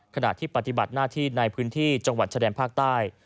ขณะที่ปฏิบัติหน้าที่ในพื้นที่จังหวัดชะแดนภาคใต้